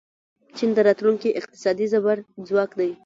چین د راتلونکي اقتصادي زبرځواک دی.